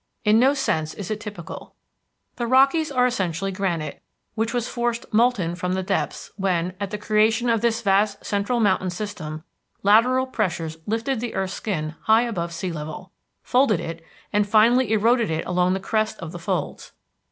In no sense is it typical. The Rockies are essentially granite which was forced molten from the depths when, at the creation of this vast central mountain system, lateral pressures lifted the earth's skin high above sea level, folded it, and finally eroded it along the crest of the folds.